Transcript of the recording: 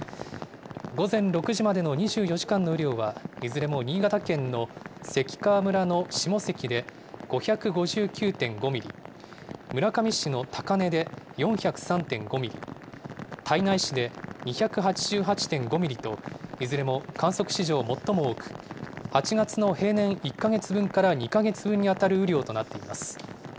午前６時までの２４時間の雨量は、いずれも新潟県の関川村の下関で５５９．５ミリ、村上市の高根で４０３．５ミリ、胎内市で２８８．５ミリと、いずれも観測史上最も多く、８月の平年１か月分から２か月分に当たる雨量となっています。